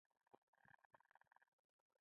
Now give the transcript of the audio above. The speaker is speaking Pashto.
ويې ويل چې د دوو کلونو له پاره خواړه لري.